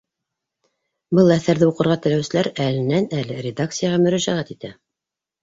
Был әҫәрҙе уҡырға теләүселәр әленән-әле редакцияға мөрәжәғәт итә.